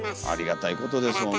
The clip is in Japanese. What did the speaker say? ありがたいことです